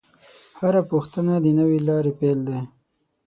هره پوښتنه د نوې لارې پیل دی.